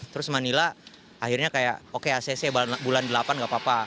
terus manila akhirnya kayak oke acc bulan delapan gak apa apa